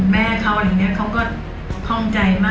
แม่เขาอย่างนี้เขาก็ฟังใจมาก